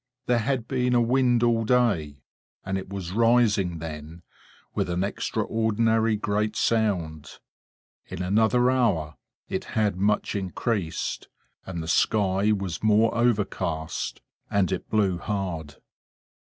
There had been a wind all day: and it was rising then, with an extraordinary great sound. In another hour it had much increased, and the sky was more overcast, and it blew hard.